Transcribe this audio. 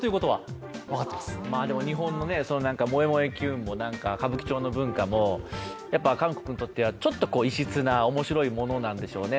でも、日本の萌え萌えキュンも歌舞伎町の文化もやっぱり韓国にとってはちょっと異質なおもしろいものなんでしょうかね。